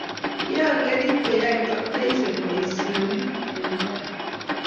kiang'erit koyai traktaisiek boisionik eng' maret